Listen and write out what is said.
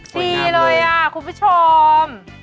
ดีเลยคุณผู้ชม